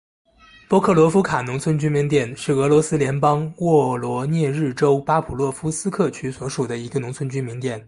波克罗夫卡农村居民点是俄罗斯联邦沃罗涅日州巴甫洛夫斯克区所属的一个农村居民点。